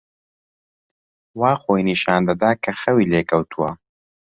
وا خۆی نیشان دەدا کە خەوی لێ کەوتووە.